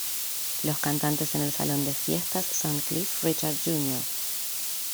Los cantantes en el salón de fiestas son "Cliff Richard Jr.